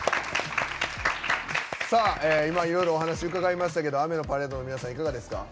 さあ今いろいろお話伺いましたけど雨のパレードの皆さんいかがですか？